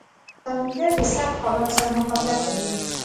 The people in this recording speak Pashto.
کروندګر د سختو حالاتو سره مقابله کوي